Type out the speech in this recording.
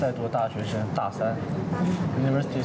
อืมรู้ไหมว่าดังมากเลยตอนนี้